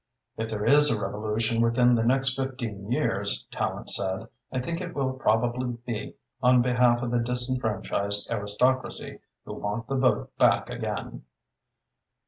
"If there is a revolution within the next fifteen years," Tallente said, "I think it will probably be on behalf of the disenfranchised aristocracy, who want the vote back again."